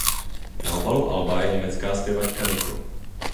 Na obalu alba je německá zpěvačka Nico.